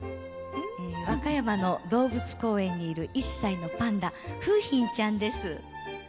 和歌山の動物公園にいる１歳のパンダ楓浜ちゃんです。